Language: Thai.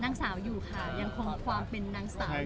นางสาวอยู่ค่ะยังคงความเป็นนางสาว